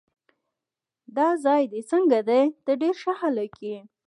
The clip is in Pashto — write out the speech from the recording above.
دا ځای دې څنګه دی؟ ته ډېر ښه هلک یې.